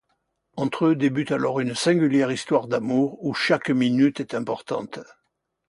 Entre eux débute alors une singulière histoire d'amour où chaque minute est importante...